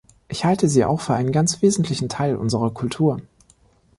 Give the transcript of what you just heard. Ich halte sie auch für einen ganz wesentlichen Teil unserer Kultur.